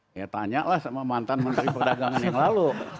saya tanya lah sama mantan menteri perdagangan yang lalu